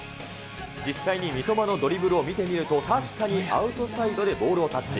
実際に三笘のドリブルを見てみると、確かにアウトサイドでボールをタッチ。